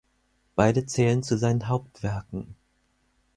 Beide zählen zu seinen Hauptwerken.